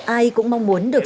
ai cũng mong muốn được